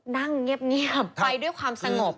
นั่งเงียบไปด้วยความสงบ